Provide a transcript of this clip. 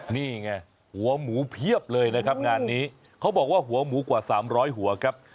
นี่ไงหัวหมูเพียบเลยนะครับงานนี้เขาบอกว่าหัวหมูกว่า๓๐๐หัวครับ